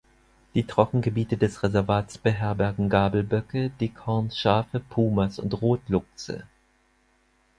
Die Trockengebiete des Reservats beherbergen Gabelböcke, Dickhornschafe, Pumas und Rotluchse.